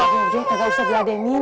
iya deh kagak usah diadenin